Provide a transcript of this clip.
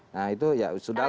nah itu ya sudah